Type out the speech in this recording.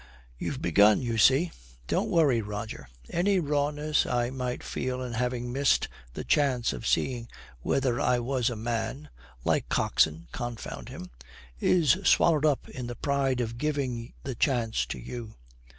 'You've begun, you see. Don't worry, Roger. Any rawness I might feel in having missed the chance of seeing whether I was a man like Coxon, confound him! is swallowed up in the pride of giving the chance to you.